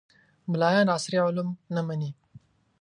ملایان عصري علوم نه مني